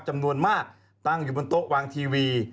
จำนวนมากตั้งอยู่บนโต๊ะวางทีวี